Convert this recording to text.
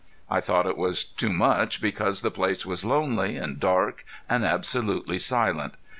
I thought it was too much because the place was lonely and dark and absolutely silent.